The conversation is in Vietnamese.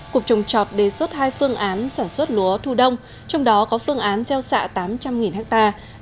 cục trồng trọt đề xuất hai phương án sản xuất lúa thu đông trong đó có phương án gieo xạ tám trăm linh hectare